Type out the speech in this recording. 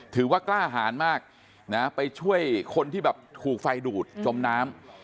กล้าหารมากนะไปช่วยคนที่แบบถูกไฟดูดจมน้ำ